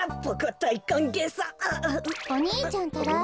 お兄ちゃんたら！